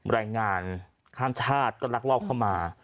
แรงงานข้ามชาติก็ลักลอบเข้ามา